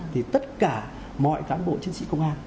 thì tất cả mọi cán bộ chiến sĩ công an